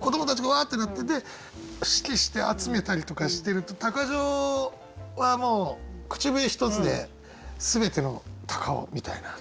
子どもたちがわってなってて指揮して集めたりとかしてると鷹匠はもう口笛一つで全ての鷹をみたいな。